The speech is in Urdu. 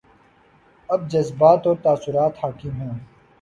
اب جذبات اور تاثرات حاکم ہیں۔